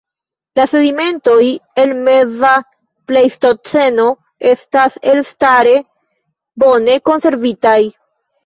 La sedimentoj el meza plejstoceno estas elstare bone konservitaj.